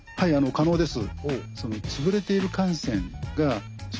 可能です。